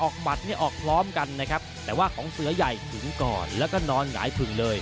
ขอบคุณครับ